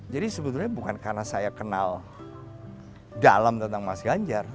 jadi sebetulnya bukan karena saya kenal dalam tentang mas ganjar